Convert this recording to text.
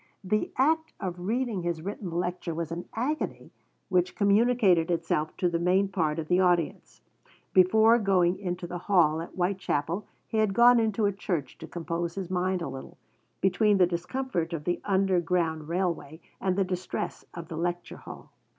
The act of reading his written lecture was an agony which communicated itself to the main part of the audience. Before going into the hall at Whitechapel he had gone into a church to compose his mind a little, between the discomfort of the underground railway and the distress of the lecture hall.